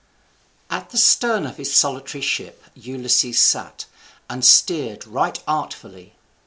At the stern of his solitary ship Ulysses sat, and steered right artfully.